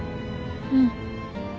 うん。